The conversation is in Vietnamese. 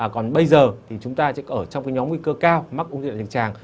còn bây giờ thì chúng ta sẽ ở trong nhóm nguy cơ cao mắc ung thư đại trực tràng